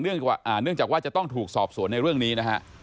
เนื่องจากว่าจะต้องถูกสอบสวนในเรื่องนี้นะฮะ